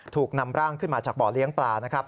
ถูกนำร่างขึ้นมาจากบ่อเลี้ยงปลานะครับ